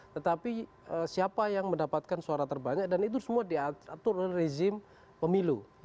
tetapi siapa yang mendapatkan suara terbanyak dan itu semua diatur oleh rezim pemilu